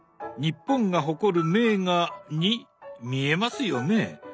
日本が誇る名画に見えますよね？